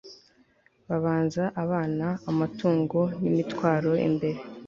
babanza abana, amatungo n'imitwaro imbere